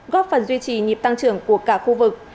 góp phần duy trì nhịp tăng trưởng của cả khu vực